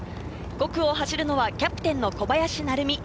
５区を走るのはキャプテンの小林成美。